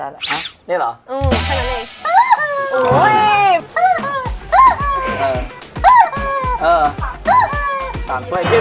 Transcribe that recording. ให้ดูไม่ต้องก็ได้